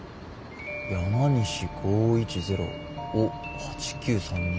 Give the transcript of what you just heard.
山西５１０を８９３２。